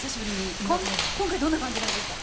今回、どんな感じなんですか？